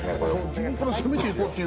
自分から攻めていこうっていう。